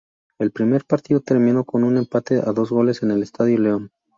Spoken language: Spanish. El primer partido terminó con un empate a dos goles en el Estadio León.